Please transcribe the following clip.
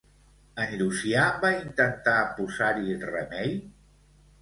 En Llucià va intentar posar-hi remei?